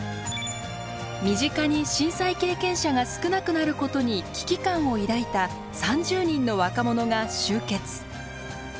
身近に震災経験者が少なくなることに危機感を抱いた３０人の若者が集結。